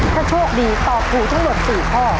ถ้าโชคดีตอบถูกทั้งหมด๔ข้อ